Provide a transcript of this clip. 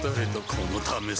このためさ